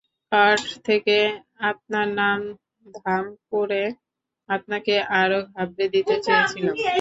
Card থেকে আপনার নাম ধাম পড়ে আপনাকে আরও ঘাবড়ে দিতে চেয়েছিলাম।